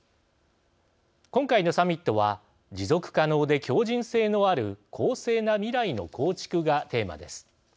今回のサミットは持続可能で強じん性のある公正な未来の構築がテーマです。